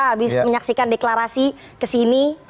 habis menyaksikan deklarasi kesini